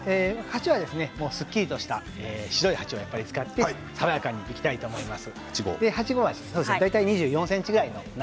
すっきりとした白い鉢を使って爽やかにいきたいと思います。